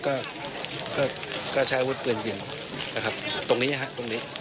ก็ใช้วิวเตือนยืนนะครับตรงนี้ฮะตรงนี้